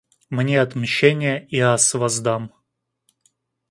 Мне отмщение, и Аз воздам.